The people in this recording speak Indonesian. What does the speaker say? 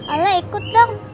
oleh ikut dong